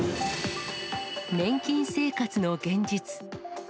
年金生活の現実。